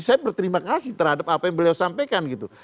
saya berterima kasih terhadap apa yang beliau sampaikan gitu